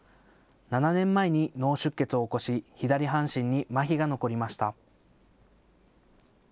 ７年前に脳出血を起こし左半身にまひが残りました。